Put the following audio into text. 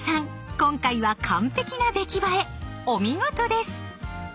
今回は完璧な出来栄えお見事です！